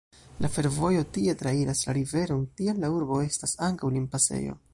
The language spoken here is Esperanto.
La fervojo tie trairas la riveron, tial la urbo estas ankaŭ limpasejo.